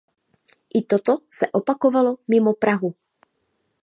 I toto se opakovalo mimo Prahu.